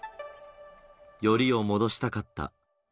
よりを戻したかった。